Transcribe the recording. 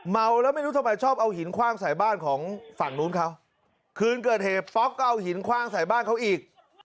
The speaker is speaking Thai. เมาแล้วไม่รู้ทำไมชอบเอาหินคว่างใส่บ้านของฝั่งนู้นเขาคืนเกิดเหตุป๊อกก็เอาหินคว่างใส่บ้านเขาอีก